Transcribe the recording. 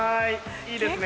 いいですね。